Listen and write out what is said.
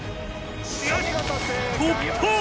突破！